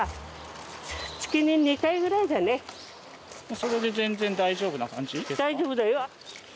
それで全然大丈夫な感じですか？